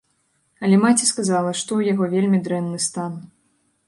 Але маці сказала, што ў яго вельмі дрэнны стан.